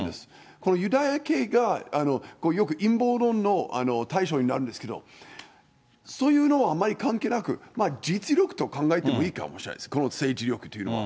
このユダヤ系が、よく陰謀論の対象になるんですけど、そういうのはあまり関係なく、実力と考えてもいいかもしれないです、この政治力というのは。